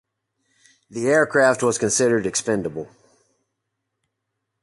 The aircraft was considered expendable.